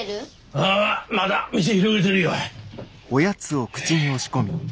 ああまだ店広げてるよ。